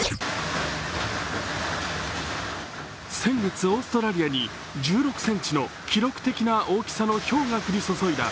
先月、オーストラリアに１６ｃｍの記録的な大きさのひょうが降り注いだ。